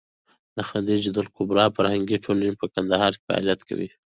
د خدېجه الکبرا فرهنګي ټولنه په کندهار کې فعالیت کوي.